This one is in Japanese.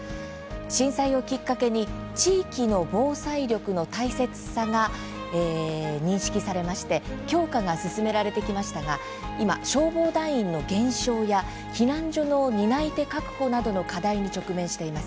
震災をきっかけに地域の防災力の大切さが認識されまして強化が進められてきましたが今、消防団員の減少や避難所の担い手確保などの課題に直面しています。